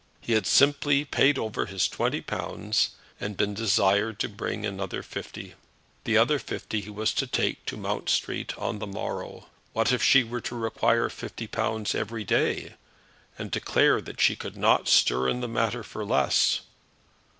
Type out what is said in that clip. He had simply paid over his twenty pounds, and been desired to bring another fifty. The other fifty he was to take to Mount Street on the morrow. What if she were to require fifty pounds every day, and declare that she could not stir in the matter for less?